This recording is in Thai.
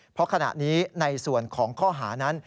เพราะขณะนี้ในส่วนของข้อหานั้น